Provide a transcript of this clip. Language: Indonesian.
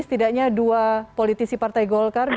setidaknya dua politisi partai golkar